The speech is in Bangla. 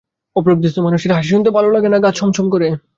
অপ্রকৃতিস্থ মানুষের হাসি শুনতে ভাললাগে না, গা ছমছম করে।